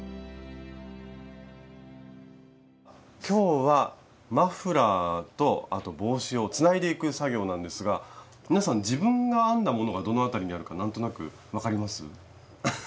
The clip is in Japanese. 今日はマフラーとあと帽子をつないでいく作業なんですが皆さん自分が編んだものがどのあたりにあるか分かります？